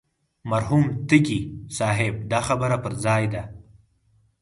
مرحوم تږي صاحب دا خبره پر ځای ده.